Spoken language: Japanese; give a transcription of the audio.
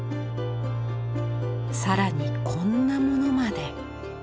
更にこんなものまで。